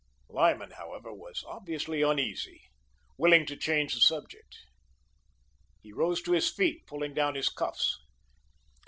Lyman, however, was obviously uneasy, willing to change the subject. He rose to his feet, pulling down his cuffs.